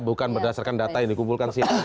bukan berdasarkan data yang dikumpulkan siapa